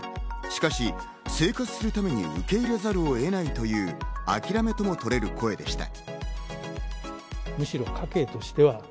しかし生活するために受け入れざるを得ないという諦めともとれる声でした。